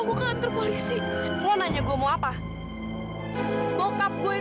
dua sakit minggu lagi